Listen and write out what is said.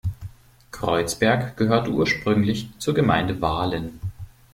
Kreuzberg gehörte ursprünglich zur Gemeinde Wahlen.